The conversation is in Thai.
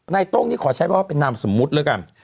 ต้งนี่ขอใช้ว่าเป็นนามสมมุติแล้วกัน